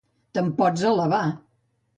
Te'n pots alabar.